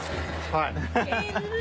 はい。